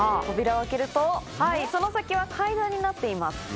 扉を開けるとその先は階段になっています